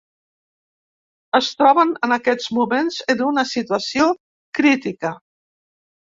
Es troben en aquests moments en una situació crítica.